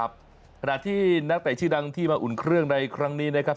ขณะที่นักเตะชื่อดังที่มาอุ่นเครื่องในครั้งนี้นะครับ